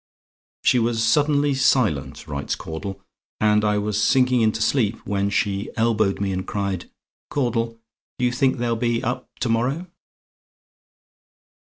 "She was suddenly silent" writes Caudle "and I was sinking into sleep, when she elbowed me, and cried, 'Caudle, do you think they'll be up to morrow?'"